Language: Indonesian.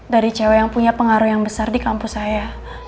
dari cewek yang punya pengaruh yang besar di kampus saya